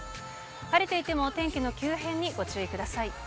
晴れていても、お天気の急変にご注意ください。